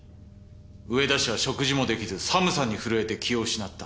上田氏は食事もできず寒さに震えて気を失った。